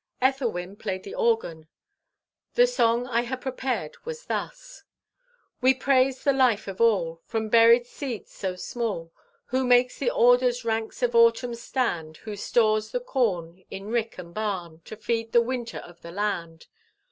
Ethelwyn played the organ. The song I had prepared was this: "We praise the Life of All; From buried seeds so small Who makes the ordered ranks of autumn stand; Who stores the corn In rick and barn To feed the winter of the land.